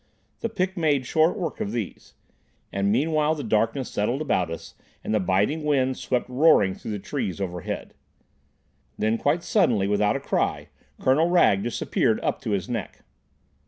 The pick made short work of these. And meanwhile the darkness settled about us and the biting wind swept roaring through the trees overhead. Then, quite suddenly, without a cry, Colonel Wragge disappeared up to his neck.